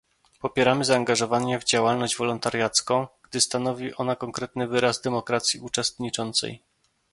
Popieramy zaangażowanie w działalność wolontariacką, gdy stanowi ona konkretny wyraz demokracji uczestniczącej